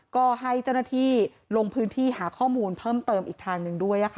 ก็ให้เจ้าหน้าที่ลงพื้นที่หาข้อมูลเพิ่มเติมอีกทางหนึ่งด้วย